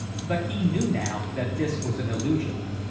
But he knew now that this was an illusion.